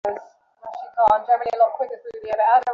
তিনি অভিনয়ে মনোনিবেশ করেন।